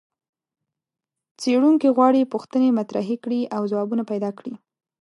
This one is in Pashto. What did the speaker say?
څېړونکي غواړي پوښتنې مطرحې کړي او ځوابونه پیدا کړي.